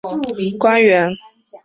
北宋官员。